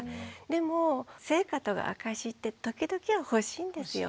でも成果とか証しって時々は欲しいんですよ。